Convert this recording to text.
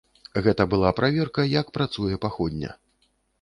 Гэта была праверка, як працуе паходня.